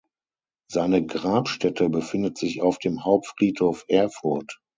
Seine Grabstätte befindet sich auf dem Hauptfriedhof Erfurt.